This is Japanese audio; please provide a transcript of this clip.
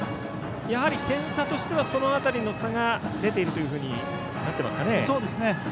点差としてはその辺りの差が出ているというふうになっていますかね。